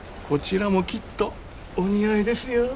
こちらもきっとお似合いですよ。